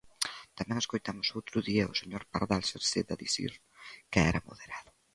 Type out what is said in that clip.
Tamén escoitamos o outro día o señor Pardal Cerceda dicir que era moderado.